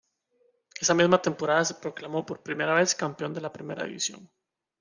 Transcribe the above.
Esa misma temporada se proclamó por primera vez campeón de la primera división.